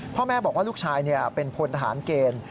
พ่อแม่บอกว่าลูกชายเป็นพลทหารเกณฑ์